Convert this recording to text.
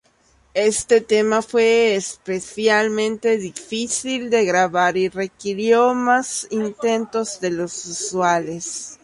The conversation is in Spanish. Este tema fue especialmente difícil de grabar, y requirió más intentos de los usuales.